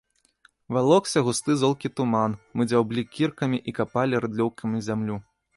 Валокся густы золкі туман, мы дзяўблі кіркамі і капалі рыдлёўкамі зямлю.